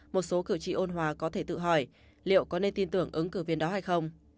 một số cử tri ôn hòa có thể tự hỏi liệu có nên tin tưởng ứng cử viên đó hay không